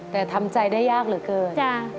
แต่ทำใจได้ยากเหลือเกิน